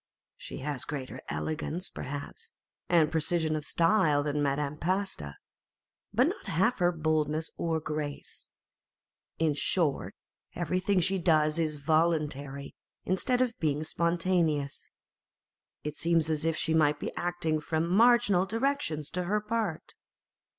She has greater elegance, perhaps, and precision of style than Madame Pasta, but not half her boldness or grace. In short, everything she does is voluntary, instead of being spontaneous. It seems as if she might be acting from marginal directions to her part.